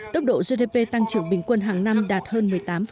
tốc độ gdp tăng trưởng bình quân hàng năm đạt hơn một mươi tám